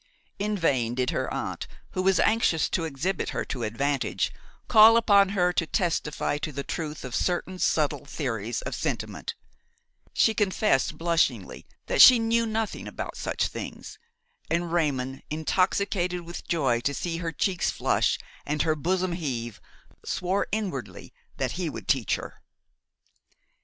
In vain did her aunt, who was anxious to exhibit her to advantage, call upon her to testify to the truth of certain subtle theories of sentiment; she confessed blushingly that she knew nothing about such things, and Raymon, intoxicated with joy to see her cheeks flush and her bosom heave, swore inwardly that he would teach her.